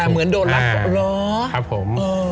หลักรึคอครับผม